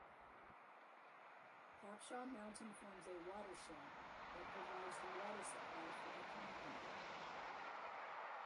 Capshaw Mountain forms a watershed that provides the water supply for the community.